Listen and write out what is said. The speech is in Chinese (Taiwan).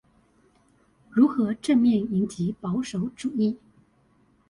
如何正面迎擊保守主義